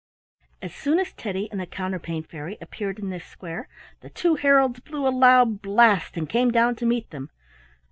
As soon as Teddy and the Counterpane Fairy appeared in this square, the two heralds blew a loud blast and come down to meet them.